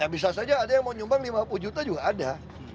bisa saja ada yang mau nyumbang lima puluh juta juga ada